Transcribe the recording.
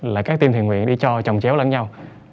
là các tiêm thiền nguyện đi cho chồng chéo lẫn nhau